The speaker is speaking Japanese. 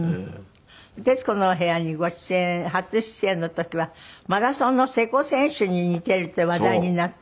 『徹子の部屋』にご出演初出演の時はマラソンの瀬古選手に似てるって話題になった。